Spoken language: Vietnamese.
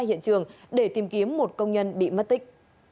hiện trường để tìm kiếm một công nhân bị mất tích